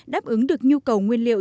đáp ứng được nhu cầu nguyên liệu